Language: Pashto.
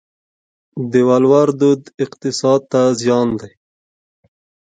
د ولور دود اقتصاد ته زیان دی؟